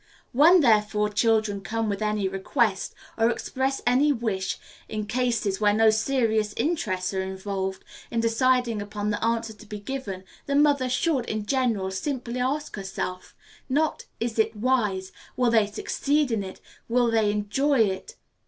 When, therefore, children come with any request, or express any wish, in cases where no serious interests are involved, in deciding upon the answer to be given, the mother should, in general, simply ask herself, not Is it wise? Will they succeed in it? Will they enjoy it?